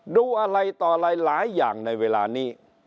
ดูอะไรต่ออะไรหลายอย่างในเวลานี้